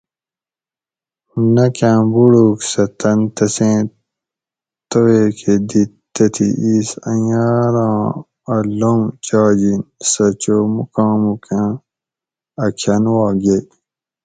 نکاں بوڑوک سہ تن تسیں تویکہ دِیت تتھیں ایس انگاراں اۤ لوم چاجِن سہ چو موکھاموکاں اۤ کھن وا گئ